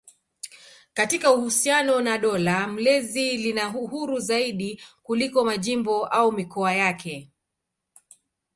Katika uhusiano na dola mlezi lina uhuru zaidi kuliko majimbo au mikoa yake.